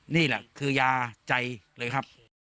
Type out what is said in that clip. นี่แหละคือยาใจเลยครับ